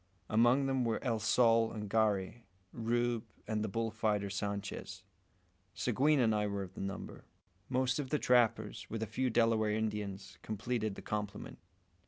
Among them were El Sol and Garey, Rube, and the bull fighter Sanchez. Seguin and I were of the number. Most of the trappers, with a few Delaware Indians, completed the complement.